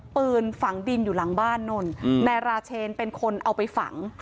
ปืนฝังดินอยู่หลังบ้านนู่นนายราเชนเป็นคนเอาไปฝัง